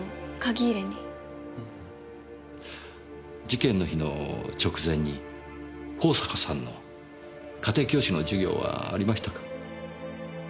事件の日の直前に香坂さんの家庭教師の授業はありましたか？